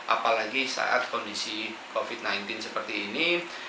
apalagi saat kondisi covid sembilan belas seperti ini